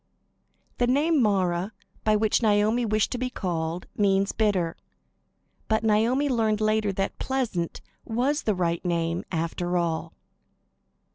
'" The name "Mara," by which Naomi wished to be called means "bitter." But Naomi learned later that "Pleasant" was the right name after all.